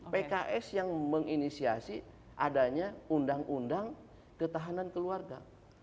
pks yang menginisiasi adanya undang undang ketahanan keluarga